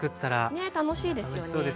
ねえ楽しいですよね。